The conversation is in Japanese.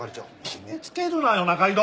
決めつけるなよ仲井戸！